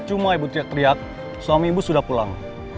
cuma ibu teriak teriak suami ibu sudah pulang